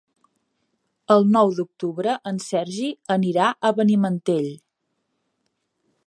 El nou d'octubre en Sergi anirà a Benimantell.